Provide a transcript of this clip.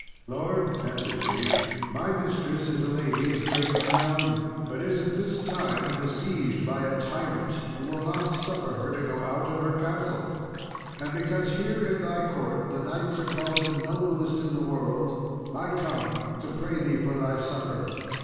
"Lord," answered she, "my mistress is a lady of great renown, but is at this time besieged by a tyrant, who will not suffer her to go out of her castle; and because here in thy court the knights are called the noblest in the world, I come to pray thee for thy succour.